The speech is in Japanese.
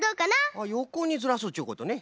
あっよこにずらすっちゅうことね。